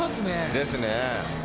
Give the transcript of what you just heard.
ですね。